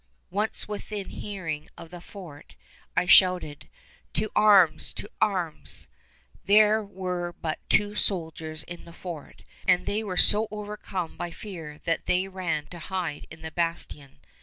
Once within hearing of the fort, I shouted, "To arms! To arms!" There were but two soldiers in the fort, and they were so overcome by fear that they ran to hide in the bastion.